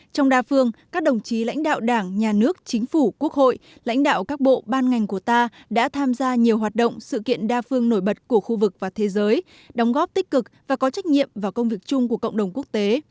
trong đa phương các đồng chí lãnh đạo đảng nhà nước chính phủ quốc hội lãnh đạo các bộ ban ngành của ta đã tham gia nhiều hoạt động sự kiện đa phương nổi bật của khu vực và thế giới đóng góp tích cực và có trách nhiệm vào công việc chung của cộng đồng quốc tế